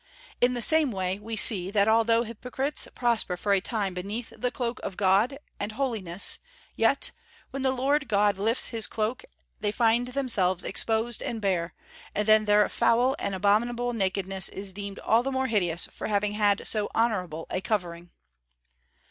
In the same way, we see that although hypocrites prosper for a time beneath the cloak of God and holiness, yet, when the Lord God lifts His cloak, they find themselves exposed and bare, and then their foul and abominable nakedness is deemed all the more hideous for having had so honourable a covering."